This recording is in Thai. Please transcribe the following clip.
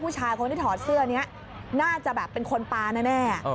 ผู้ชายคนที่ถอดเสื้อนี้น่าจะแบบเป็นคนปลาแน่